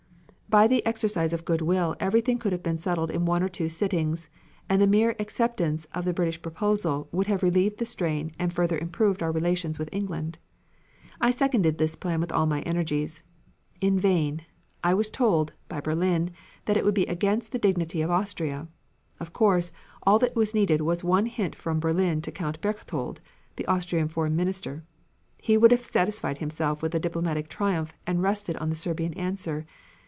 By the exercise of good will everything could have been settled in one or two sittings, and the mere acceptance of the British proposal would have relieved the strain and further improved our relations with England. I seconded this plan with all my energies. In vain. I was told (by Berlin) that it would be against the dignity of Austria. Of course, all that was needed was one hint from Berlin to Count Berchtold (the Austrian Foreign Minister); he would have satisfied himself with a diplomatic triumph and rested on the Serbian answer.